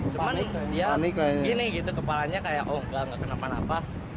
cuman dia gini gitu kepalanya kayak oh nggak nggak kenapa napa